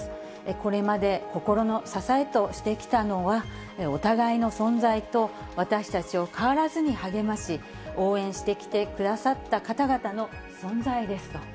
これまで心の支えとしてきたのは、お互いの存在と、私たちを変わらずに励まし応援してきてくださった方々の存在ですと。